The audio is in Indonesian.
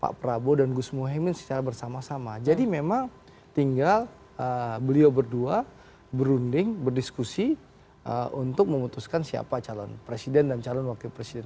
pak prabowo dan gus muhaymin secara bersama sama jadi memang tinggal beliau berdua berunding berdiskusi untuk memutuskan siapa calon presiden dan calon wakil presiden